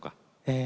え